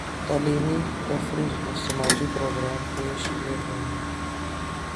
تعلیمی ، تفریحی اور سماجی پرو گرامز پیش کیے جائیں گے